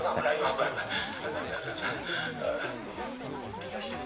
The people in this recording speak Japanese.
行ってきました」。